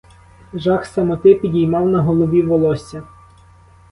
Жах самоти підіймав на голові волосся.